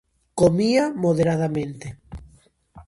Comía moderadamente.